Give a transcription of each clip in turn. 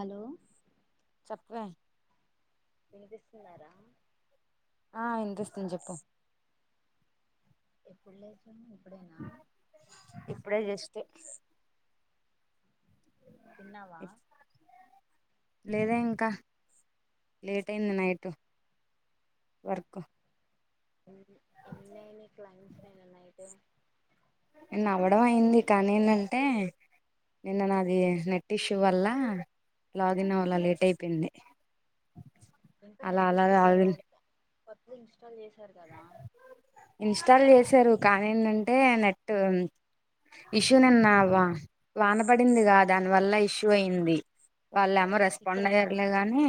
hello వ వినిపిస్తుందా రా ఆ ఇనిపిస్తుంది చెప్పు ఎప్పుడు లేదు ఇప్పుడేనా ఇప్పుడే జస్ట్ తిన్నావా లేదే ఇంకా లేట్ అయింది నైట్ వర్క్ ఎన్ని అయినయ్ క్లయింట్స్ నిన్న నైటు న అవ్వడం అయింది కానీ ఏంటంటే నిన్న నాది నెట్ ఇష్యూ వల్ల లాగిన్ అవ్వలా లేట్ అయిపోయింది ఇంకా అలా నెట్ అలా ఇష్యు క్లియర్ లాగిన్ అవ్వలే ప ఇన్స్టాల్ చేసారు కానీ ఏంటంటే నెట్ ఇష్యూ నిన్న వా వానపడిందిగా దానివల్ల ఇష్యూ అయింది వాళ్ళ ఏమో ఇక్కడ రెస్పాండ్ మా అయ్యర్లే గాని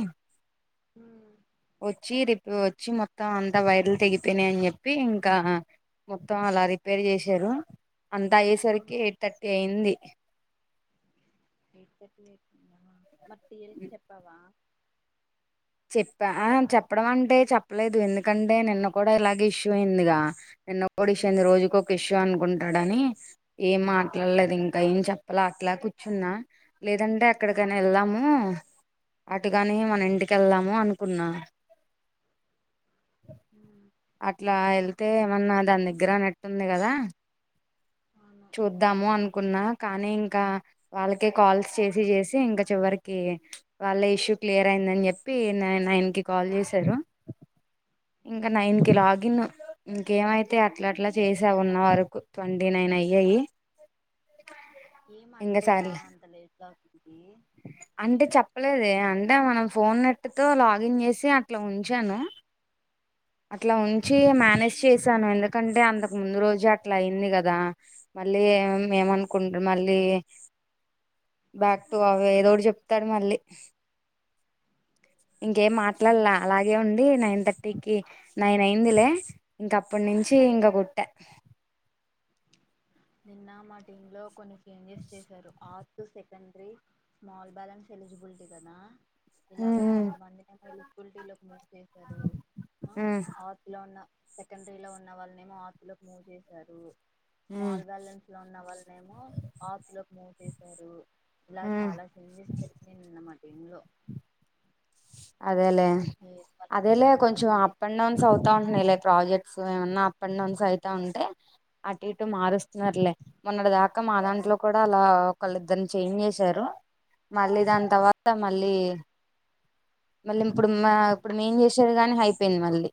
వచ్చి రిపే వచ్చి మొత్తం అంతా వైర్లు తెగిపోయినాయని చెప్పి ఇంకా మొత్తం అలా రిపేర్ చేషిరు అంతా ఐయేసరికి ఎయిట్ థర్టీ ఐయ్యింది ఏట్ మట్ ఎరి చెప్పవా చెప్ప ఆ ఫోన్ చెప్పడం అంటే చెప్పలేదు ఎందుకు ఎందుకంటే నిన్న కూడా ఇలాగే ఇష్యూ అయిందిగా ఎన్నోడిసింది రోజుకి ఒక ఇష్టం అనుకుంటాడని ఏం మాట్లాడలేదు ఇంకా ఏం చెప్పలే అట్లా కూర్చున్నా లేదంటే ఏక్కడికైనా వెళ్దాము అటుగాని మన ఇంటి క వెళ్దాము అనుకున్నా అట్లా ఎన్ని అయితే ఏమన్నా దాని దగ్గర అనట్టుంది కదా అవును చూద్దాము అను ఉన్నా కానీ ఇంకా వాళ్ళకే కాల్స్ చేసి చేసి ఇంకా చివరికి వాళ్ళ ఇష్యూ క్లియర్ అయిందని చెప్పి చెప్పి నయిన్ కి కాల్ చేశారు ఇంకా నైన్కి లాగిన్ ఇంకేమైతే అట్లా అట్లా చేసే ఉన్న వరకు ట్వంటీ నైన్ అయ్యాయి ఏం ఇంకా అనలేదా సర్లే అంత లేట్ అవుతుంటే అంటే చెప్పలేదే అంటే మనం ఫోన్ నెట్ తో లాగిన్ చేసి అట్లా ఉంచాను అట్లా ఉంచి మేనేజ్ చేశాను ఎందుకంటే అంతకు ముందు రోజే అట్లా అయింది కదా మ మళ్ళీ ఏమని అవును అనుకుంటే మళ్ళీ బ్యాక్ టు అవ ఏదోటి అను ఏదోడు చెప్తాడు మళ్ళీ ఇంకేం మాట్లాడాలా నిన్నే అలాగే ఉండి నా ఇంత పటీకి నైన్ అయిందిలే ఇంక అప్పటి నుంచి ఇంకా కుట్టా నిన్న మా టీం లో కొన్ని న్స్ చేశారు ఆ సెకండీ స్మల్ బ్యాలెన్స్ ఎలిజిబిలిటీ కదా ఇలాగా ఉమ్ కొంతమందిని వెళ్ళ ఉల్టీలక్ము చేసారు ఆతిలో ఉన్న సెకండరీ లో ఉన్న వాళ్ళనే ఏమో ఆస్తులోకి మూవ్ చేసారు ఉమ్ స్మాల్ బ్యాలెన్స్ లోన్న్న వల్లనేమో ఆపులకు మ చేశారు ఇలా చాలా సిందిస్తరికి నేనున్నమాట పన్న అదేలే అదేలే కొంచెం జరుగుతుంది అప్ అండ్ డౌన్స్ అవుతా ఉంటున్నాయి లై ప్రాజెక్ట్ సో ఏమన్నా అప్ అండ్ డౌన్స్ అయితే ఉంటే అటు అప్ అండ్ డౌన్స్ అవుతుంటే అటు ఇటు మారుస్తున్నట్లే మొన్నటి దాకా మా దాంట్లో కూడా అలా ఒకళ్ళ ఇద్దరుని చేంజ్ చేసారు మళ్ళీ దాని త వ త్త మళ్ళీ మళ్ళీ ఇంప్పుడు మా ఇప్పుడు మేం చేసేది గానీ అయిపోయింది మళ్ళీ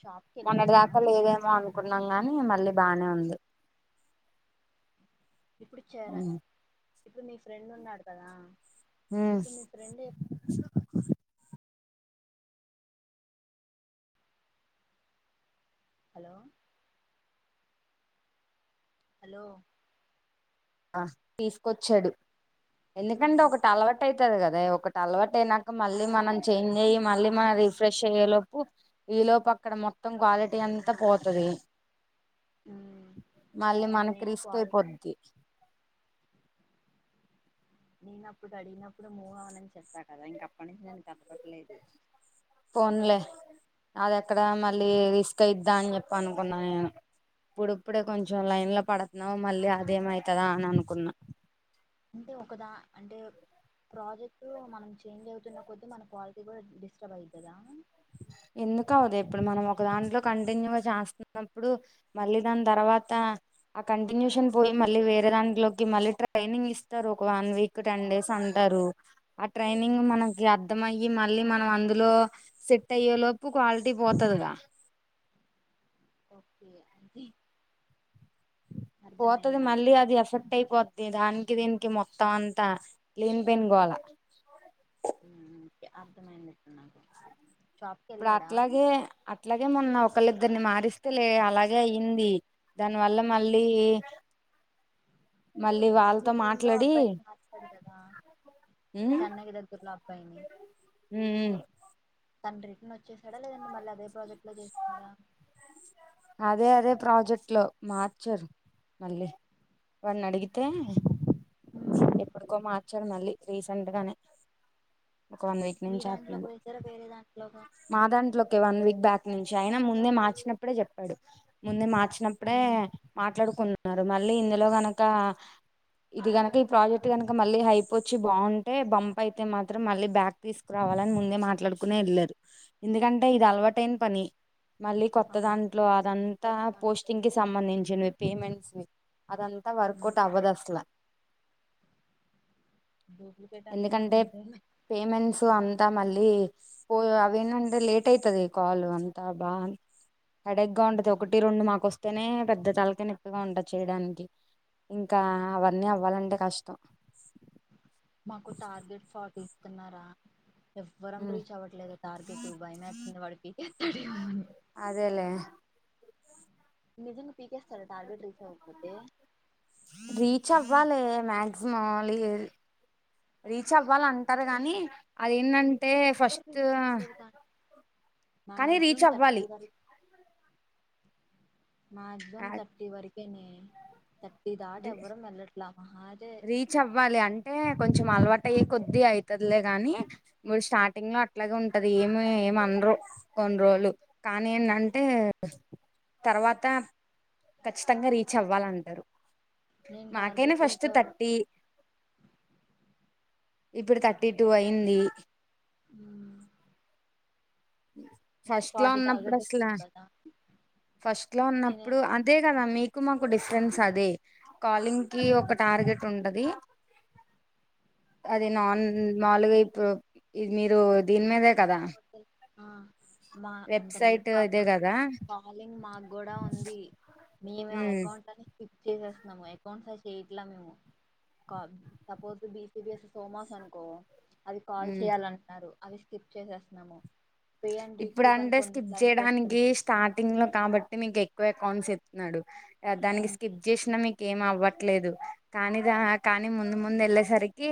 షాప్ కి మొన్నటి వెళ్ళాడా దాకా లేదేమో అనుకున్నాంగా ని మళ్ళీ బానే ఉంది ఇప్పుడు చేర ఇప్పుడు నీ ఫ్రెండ్ ఉన్నాడు కదా మ్మ్ ఇప్పుడు మీ ఫ్రెండ్ హలో హలో ఆ తీసుకొచ్చాడు ఎందుకంటే ఒకటి అలవాటై త్తది కదా ఒకటి అలవాటు అయినాక మళ్ళీ మనం చేంజ్ అయ్యి మళ్ళీ మనం రిఫ్రెష్ అయ్యేలోపు ఈ లోపు అక్కడ మొత్తం క్వాలిటీ అంతా పోతది ఉమ్ మళ్ళీ మనకి నేను రిస్క్ క్వాల్ అయిపోద్ది నేనప్పుడు అడిగినప్పుడు మూ అవనని చెప్పా కదా ఇంక అప్పటి నుంచి నేను కథపట్టలేదు ఫోన్లే అది ఎక్కడ మళ్ళీ రిస్క్ అయిద్దా అని చెప్ప అనుకున్నా నేను ఇప్పుడిప్పుడే కొంచెం లైన్ లో పడత్న్నావు మళ్ళీ అదేమైతద అని అనుకున్నా అంటే ఒకదా అంటే ప్రాజెక్ట్ మనం చేంజ్ అవుతున్న కొద్దీ మన క్వాలిటీ కూడా డిస్టర్బ్ అయితదా ఎందుకవదు ఇప్పుడు మనం ఒక దాంట్లో కంటిన్యూగా చేస్తన్నప్పుడు మళ్ళీ దాని తర్వాత ఆ కంటిన్యూషన్ పోయి మళ్ళీ వేరే దాంట్లోకి మళ్ళీ ట్రైనింగ్ ఇస్తారు ఒక వన్ వీక్ టెన్ డేస్ అంటరు ఆ ఉమ్, ట్రైనింగ్ మనకి అ అర్థమయ్యి మళ్ళీ మనం అందులో సెట్ తయ్యలోపు క్వాలిటీ పోతుందిగా ఓకే అంత పోతుది మళ్ళీ అది ఎఫెక్ట్ అయిపోతుది దానికి దీనికి మొత్తం అంతా కలీన్ పెన్ గోల అర్థమయ్యింది ఇక్కడ నాకు షాప్కి ఇప్పుడు వెళ్ళాడా అట్లాగే అట్లాగే మొన్న ఒకళ ఇద్దరిని మారిస్తే లే అలాగే అయ్యింది దానివల్ల మళ్ళీ మళ్ళీ మీ వాళ్ళతో టటీమ్ లో మాట్లాడి అబ్బాయిని మాట్లాడు కదా ఉమ్ చెన్నగి దగ్గర్లో అబ్బాయిని ఉమ్ తన రిటర్న్ వచ్చేసాడా లేదంటే మళ్ళీ అదే ప్రాజెక్ట్ లో చేస్తున్నాడా అదే అదే ప్రాజెక్ట్ లో మార్చరు మళ్ళీ వాడిని అడిగితే ఉమ్, ఎప్పుడుకో మా వచ్చారు మళ్ళీ రీసెంట్ గానే ఒక వన్ వీక్ మీ నుంచి దాంట్లోకి ఆతున్నాడు వేసారా వేరే దాంట్లోక మా దాంట్లో ఒకే వన్ వీక్ బ్యాక్ ఇ నుంచి ఆయిన ముందే మార్చినప్పుడే చెప్పాడు ముందే మార్చిన వినప్పుడే మాట్లాడుకున్నా న్నారు మళ్ళీ ఇందులో గనక ఇది గనక ఈ ప్రాజెక్ట్ కనుక మళ్ళీ హైప్ వచ్చి బాగుంటే బంప్ అయితే మాత్రం మళ్ళీ బ్యాక్ తీసుకురావాలని ముందే మాట్లాడుకునే వెళ్ళారు ఎందుకంటే అంట ఇది అలవాటేన పని మళ్ళీ కొత్త అవును దాంట్లో అదంతా పోస్టింగ్ కి కొత్తతే సంబంధించినవి పేమెంట్స్ అదంతా వర్కౌట్ అవ్వదుస్లా డూప్లికేట్ అంతేనా ఎందుకంటే అంతేలే పేమెంట్స్ అ అంతా మళ్ళీ పో అవేనంటే లేట్ అయితది కాల్ అంతా బా అ హెడక్ గా ఉంటదింది ఒకటి రెండు మాకు వస్తుంది అనే పెద్ద తళక నొప్పిగా ఉంట చేయడానికి ఇంకా అవన్నీ అవ్వాలంటే అంట కష్టం మాకు టార్గెట్ ఫార్టీ తిన్నారా ఎవ్వరం రీచ్ అవ్వట్లేదు టార్గెట్ భయమేస్తుంది వాడుగెటెత్తాడేమో అదేలే నిజలు పీకేస్తారా టార్గెట్ రీచ్ అవ్వకపోతే రీచ్ అవ్వాలి మా్యాక్సిమం రీచ్ అవ్వాల అంటారు కానీ అది ఎన్నంటే ఎవ్వరు ఫస్ట్ రీచ్ అవ్వట్లేదు కానీ కానీ మాక్సిమం రీచ్ అవ్వాలి థర్టీ వరకు మాగం తట్టి వర నే రీచ్ అవ్వాలి అంటే కొంచం కొంచెం అలవాటు అయ్యి కొద్ది అవుతుదిలే కాని స్టార్టింగ్ లో అట్లాగే ఉంటంది ఏమి ఏమనరు కొన్ని రోజులు కానీ ఏంటంటే తర్వాత ఖచ్చితంగా రీచ్ అవ్వాలంటారు నేను మాకైనా టార్గెట్ ఫస్ట్ రీచ్ అవ్వ తథర్టీటి ఇప్పుడు థర్టీ టూ అయింది అ ఫస్ట్ లో ఉన్నప్పుడు టార్గెట్ అసలు కదా ఫస్ట్ లో నేనే ఉన్నప్పుడు అదే కదా మీకు మాకు డిఫరెన్స్ అదే కాలింగ్ కి ఒక టార్గెట్ ఉంటది అది నాన్ మాలుగాప్పు మీరు దీని మీద కదా ఆ మా అంత లేదు వెబ్సైట్ పాప ఇదే కదా కాలింగ్ మాకు కూడా ఉంది ఇమే ఉమ్ అకౌంట్ అని క్క్ చేసేస్తున్నాము అకౌంట్స్ అ చెయట్లా మేము సపోజ బిసబిఎస్ సోమాస్ అనుకో అది కాల్ ఉమ్ చేయాలంటున్నారు అవి స్కిప్ చేసేస్త నమో ఇప్పుడు అంటే స్కిప్ చేయడానికి స్టార్టింగ్ లో కాబట్టి మీకు ఎ క్కువే అకౌంట్స్ ఎత్ న్నడు ఆ దానికి వస్తున్నాయిలోకి స్కిప్ చేసినా మీ ఏం అవ్వట్లేదు కానీ దా కానీ ముందు ముందు వెళ్ళేసరికి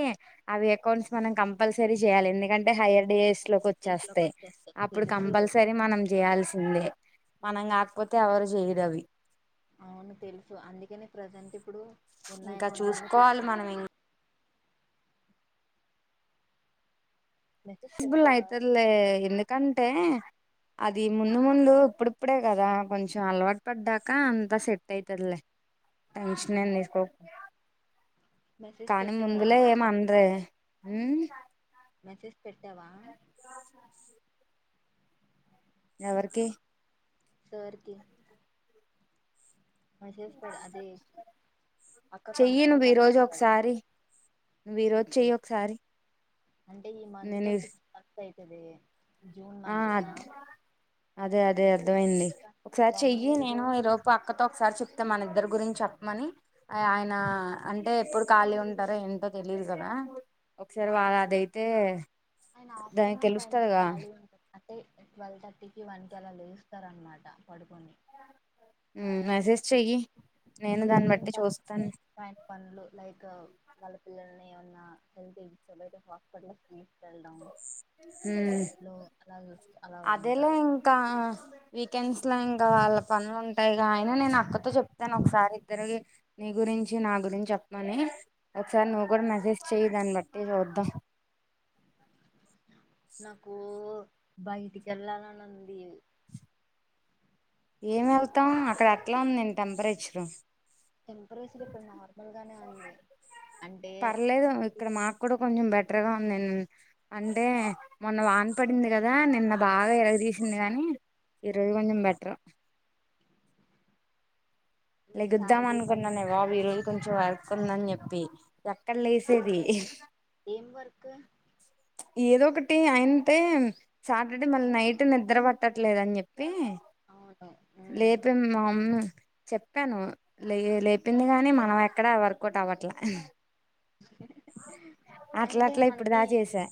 అవి అకౌంట్స్ మనం కంపల్సరీ చేయాలి ఎందుకంటే హైర్ డేస్ లోకి వచ్చేస్తాయ్ వచ్చేస్తాయి ఇప్పుడు తెలుసు కంపల్సరీ మనం చేయాల్సిందే మనం కాకపోతే ఎవరు జేయురవి అవును తెలుసు అందుకనే ప్రజెంటిప్ ఇప్పుడు ఉన్న ఇంకా అకౌంట్ అన్ని చూసుకోవాలి పుట్టుకో మనం మెసేజ్ పెట్టావా బుల్లయితదిల్లే ఎల్లు కంటే అది ముందు ముందు ఇప్పుడిప్పుడే కదా కొంచెం అలవాటు పడ్డాక అంతా సెట్ అయితదిలే టెన్షనేమ్ తీస్కోకు మెసేజ్ కానీ పెట్టావా ముందులో ఏమన్రే మ్మ్ మెసేజ్ పెట్టావా అస్ లు ఎవర్కి సార్కి చేస్తాడు అదే అక్క చెయ్యి నువ్వు ఈ రోజు కనుక్కుంటానట్లు కదా ఒకసారి నువ్వు ఈ రోజు చెయ్యి చెయ్ ఒకసారి అంటే ఈ మంత్తో నేను ఫిఫ్త్ పం పైతది ఆ అద్ అదే అదే అర్ధవైయింది ఒకసారి వన్ చెయ్యి ఇయర్ కు నేను ఈలోపు అక్కతో ఒకసారి చెప్ ఐతే మన ఇద్దరి గురించ్ చెప్పమని ఆయన అంటే ఎప్పుడు ఖాళీ ఉంటారో ఏంటో తెలియదు కదా ఒకసారి వాళ్ళ అదైతే ఆయన దానికి ఆఫ్టర్నూన్ టై లో తెలుస్తదిగా ఖాళీ ఉంటాది అట్టే ట్వెల్వ్ థర్టీకి వన్కి అలా లేస్తారు అన్నమాట పడుకోన్ని నువ్ మెసేజ్ చెయ్యి నేను దాన్ని లేచిన బట్టి తర్వాతే చూస్తాను ఆయన పనులు లైక్ వాళ్ళ పిల్లల్ని ఏవన్నా హెల్త్ ఇన్షూ హాస్పిటల్ కి మ్మ్ అలా అలా అదేలే ఉంటారు ఇంకా వీకెండ్స్ అట్లా ఇంకా వాళ్ళ పనులు ఉంటాయ్గా అయన నేను అక్కతో చెప్తాను ఒకసారి ఇద్దరికి నీ గురించి నా గురించి చెప్పని ఒక్సారి నువ్ కూడా మేసేజ్ చేయ్దాని లెట్టే చూద్దాం నాకు బయటకేల్లాలని ఉంది ఏం వెళ్తాం అక్కడ ఎట్లా ఉందేంటి టెంపరేచరు టెంపరేచర్ ఇక్కడ నార్మల్గానే ఉంది అంటే టర్గా వుందిన్ అంటే మొన్న వానపడింది కదా నిన్న బాగా ఇరగదీసింది కాని ఈ రోజు కొంజం బెట్ర్ ఈ లెగుద్దాం శాలరీ పడింది అనుకున్నానే కదా బాబు ఈ రోజు కొంచెం వరక్కుందని జెప్పి య కళ్ళె సేది ఏం వర్క్ ఏదో ఒకటి అయింటే సాటర్ డే మళ్ళి నైట్ నిద్ర పట్టట్లేదని జెప్పి అవును ఉమ్ లేపి మామ్మ చెప్పాను లే లేపింది కాగాని మనం ఎక్కడ వర్కౌట్ అవ్వట్లే అట్లా అంటే అట్లా ఇప్పుడు దా మనకి చేసా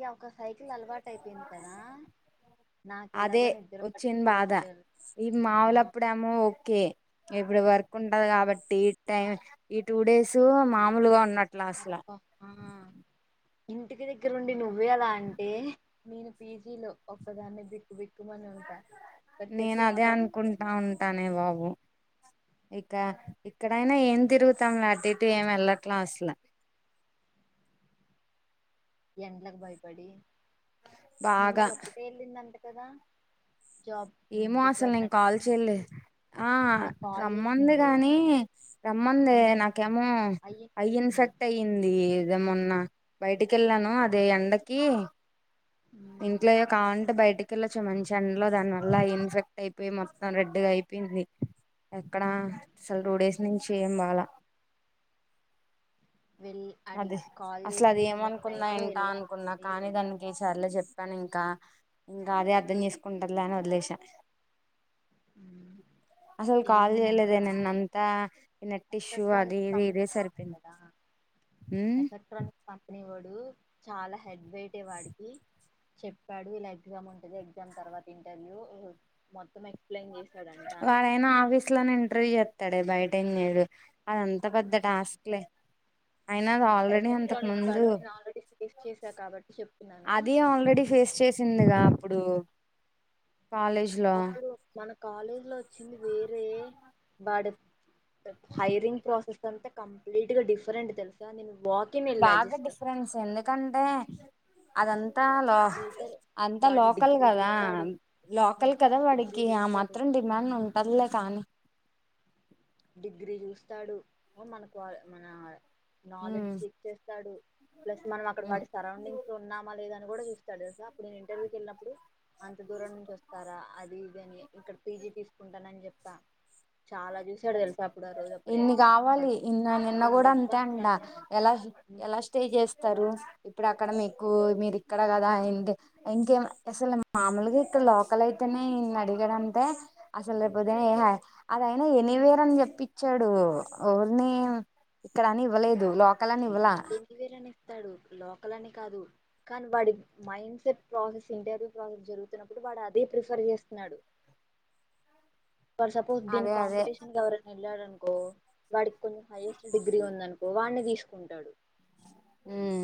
ఇ ఒక సైకిల్ అలవాటు అయిపోయింది కదా నాకు అదే ఎలాగో నిద్ర వచ్చిన్ బాధ పట్టలేదు తెల్ ఈ ఆ మాములప్పుడేమో ఓకే ఇప్పుడు వర్క్ ఉంటది కాబట్టి టైం ఈ టూ డేస్ మామూలుగా ఉన్నట్ అర ఓ ఆ ఇంటికి దగ్గర ఉండి నువ్వే అలా అంటే నేను పీజీ లో ఒక్కదాన్ని బిక్కుబిక్ నేను అదే పరిస్థితి అనుకుంటా ఉంటానే బాబు ఇక ఇక్కడైనా ఏం తిరుగుతాంలే అటు ఇటు ఏం వెళ్లట్లా అసలు ఎండ్లకు భయపడి నిన్న బాగా అది ఒక్కటే ఎల్లిందంట కదా జాబ్ ఏమో అసలు నేను రిక్వైర్మెంట్ కాల్ కి చెయలే ఆ నాకు కాల్ రమ్మంది చేసింది గానీ రమ్మంది ఉమ్ నాకేమో అయ్యి ఐ ఇన్ఫెక్ట్ అయ్యింది ఇదే మొన్న బయటికి వెళ్ళాను అదే ఎండకి ఉమ్ ఇంట్లోయ్యో కావంటే బయటికి కిలో చ మంచి ఎండలో దాని అలా ఇన్ఫెక్ట్ అయిపోయి మొత్తం రెడ్గా అయిపోయింది ఎక్కడ అసలు రూడేస్ నుంచి ఏమ్ బాలా వెళ్ అదే అడిగి కాల్ అసలు అది చేసింది నేను ఏమనుకున్నాా నైట్ ఎంటా వెళ్ళాను అనుకున్నా కానీ దానికి చర్లే చెప్ కాని ఇంకా ఇంకా అదే అర్ధం చేసుకుంటదిలే అని వదిలేస అసలు కాల్ వెళ్ళిందంట చేయలేదే నిన్న అంతా టిష్యూ అది ఇది ఇదే సరిపోయింది ఉమ్ ఎలెక్ట్రనిక్ కంపెనీ వడ్ ఇప్పుడు చాలా హెడ్ పెట్టే వాడికి చెప్పాడు ఇలా ఎగ్జామ్ ఉంటది ఎగ్జామ్ తర్వాత ఇంటర్వ్యూ మొత్తం ఎ వాడైనా ఆఫీస్ లోనే ఇంటర్వ్యూ చెస్తాడే బయట తెన్నేడు అదంత పెద్ద టాస్క్ లే ఎలక్ట్రానిక్ ముందు వాడు నేను ఆల్రెడీ స్టడీస్ చేశా కాబట్టి చెప్ అది ఆల్రెడీ ఫేస్ చేసిందిగా అప్పుడు కాలేజ్ లో అప్పుడు మన కాలేజీ లో చింది వేరే బాడత్ హైరింగ్ ప్రాసెస్ ఇదంతా కంప్లీట్ గా డిఫరెంట్ తెలుసా నేను వాకిన్ వెళ్ళా బాగా జస్ట్ డిఫరెన్స్ ఎందుకంటే అదంత్ అంత లో ఫిల్టర్ అంతా వాడు లోకల్ డిగ్రీ కదా చూస్తాడు లోకల్ కదా డిగ్రీ వాడికి ఆ చూస్తాడు మాత్రం డిమాండ్ ఉంటదిలే కానీ డిగ్రీ చూస్తాడు వో మనకు మన నాలెడ్జ్ ఉమ్ చెక్ చేస్తాడు ప్లస్ మనం అక్కడ వాడి ఉమ్ సరౌండింగ్స్ లో ఉన్నామా లేదని నన్ను కూడా చూస్తాడు గా అప్పుడు నేను ఇంటర్వ్యూకి వెళ్ళినప్పుడు అంత దూరం నుంచి వస్తారా అది ఇది అని ఇక్కడ పీజీ తీసుకుంటానని చెప్పా చాలా చూసాడు తెలుసా అప్పుడు ఆ రోజు అప్పుడే ఇన్ని కావాలి ఇన్న నిన్న రెండు కూడా అంతే ఎగ్జామ్స్ అంట రాశాను ఎలా ఎలా స్టే చేస్తారు ఇప్పుడు అక్కడ మీకు మీరు ఇక్కడ కదా ఏంటి ఇంకేం అసలు మామూలుగా ఇక్కడ లోకల్ అయితేనే ఇన్ అడిగడంట అసలు రేపుపోద్దున ఎ హ అదైనా ఎన్ నివేర్ అని చెప్పించాడు ఓర్నీ ఇక్కడని ఇవ్వలేదు క్కలా నివ్వలా తాడు లోకల్ అని కాదు కానీ వాడి mindset process interview process జరుగుతున్నప్పుడు వాడు అదే ప్రిఫర్ చేస్తున్నాడు ఫర్ సపోజ దీని అదే అదే కాంపిటీషన్గా ఎవరైనా వెళ్ళారనుకో కో వాడికి కొంచెం హైయెస్ట్ డిగ్రీ ఉందనుకో వాడిని తీసుకుంటాడు మ్మ్